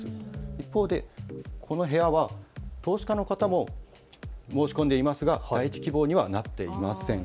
一方でこの部屋は投資家の方も申し込んでいますが第１希望にはなっていません。